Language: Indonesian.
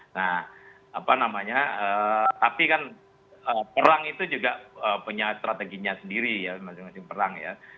nah apa namanya tapi kan perang itu juga punya strateginya sendiri ya masing masing perang ya